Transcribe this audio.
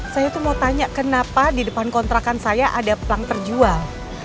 saya tuh mau tanya kenapa di depan kontrakan saya ada pelang terjual